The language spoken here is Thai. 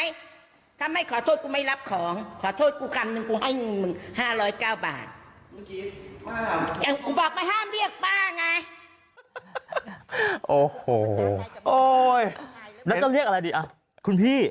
จะเรียกอะไรดิ